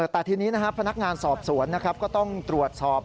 แต่ทีนี้พนักงานสอบสวนก็ต้องตรวจสอบ